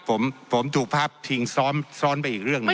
ผมผมผมถูกพับทิ้งซ้อนซ้อนไปอีกเรื่องนะครับ